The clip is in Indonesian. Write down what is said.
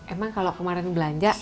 emang kalau kemarin belanja